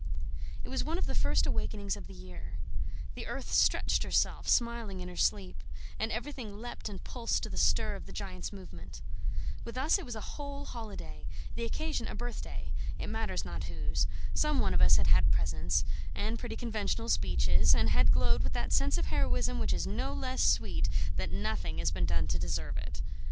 It was one of the first awakenings of the year. The earth stretched herself, smiling in her sleep; and everything leapt and pulsed to the stir of the giant's movement. With us it was a whole holiday; the occasion a birthday it matters not whose. Some one of us had had presents, and pretty conventional speeches, and had glowed with that sense of heroism which is no less sweet that nothing has been done to deserve it.